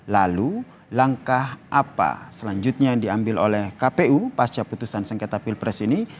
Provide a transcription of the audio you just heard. lalu langkah apa selanjutnya yang diambil oleh kpu pasca putusan sengketa pilpres ini